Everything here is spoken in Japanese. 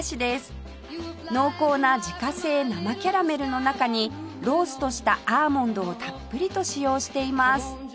濃厚な自家製生キャラメルの中にローストしたアーモンドをたっぷりと使用しています